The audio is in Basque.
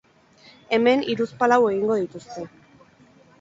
Hemen hiruzpalau egingo dituzte.